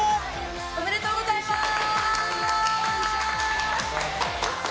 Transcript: おめでとうございます！